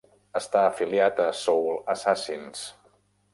Està afiliat a Soul Assassins.